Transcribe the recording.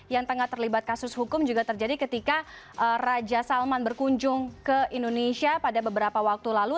yang tengah terlibat kasus hukum juga terjadi ketika raja salman berkunjung ke indonesia pada beberapa waktu lalu